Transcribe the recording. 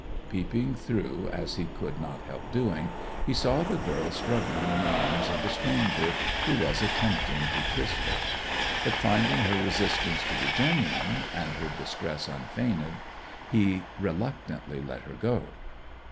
Peeping through, as he could not help doing, he saw the girl struggling in the arms of the stranger, who was attempting to kiss her; but finding her resistance to be genuine, and her distress unfeigned, he reluctantly let her go.